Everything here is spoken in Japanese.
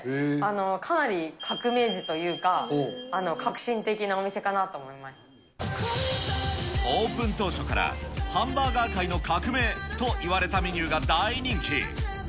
かなり革命児というか、オープン当初から、ハンバーガー界の革命といわれたメニューが大人気。